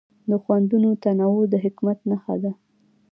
د خوندونو تنوع د حکمت نښه ده.